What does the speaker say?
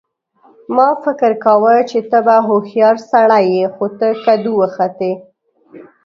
ما فکر کاوه چې ته به هوښیار سړی یې خو ته کدو وختې